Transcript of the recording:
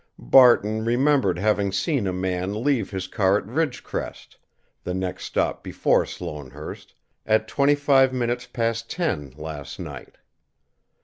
Barton remembered having seen a man leave his car at Ridgecrest, the next stop before Sloanehurst, at twenty five minutes past ten last night.